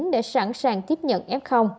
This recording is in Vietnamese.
để sẵn sàng tiếp nhận f